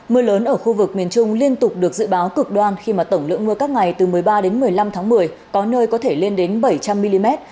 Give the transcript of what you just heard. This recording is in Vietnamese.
mưa lớn ở khu vực miền trung liên tục được dự báo cực đoan khi mà tổng lượng mưa các ngày từ một mươi ba đến một mươi năm tháng một mươi có nơi có thể lên đến bảy trăm linh mm